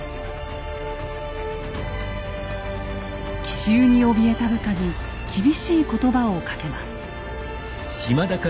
奇襲におびえた部下に厳しい言葉をかけます。